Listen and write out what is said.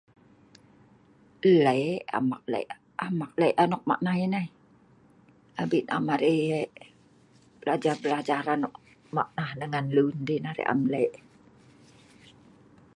Nlek, am eek lek am eek lek anok ma nnai nai, abin am arai belajar belajar anok mak nah ngan lun dei nah arai am lek